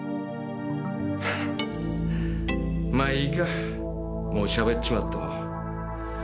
はぁまあいいかもうしゃべっちまっても。